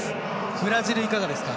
ブラジル、いかがですか？